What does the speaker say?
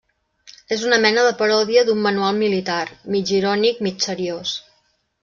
És una mena de paròdia d'un manual militar, mig irònic, mig seriós.